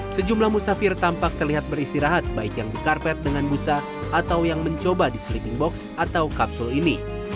sejumlah musafir tampak terlihat beristirahat baik yang dikarpet dengan busa atau yang mencoba di sleeping box atau kapsul ini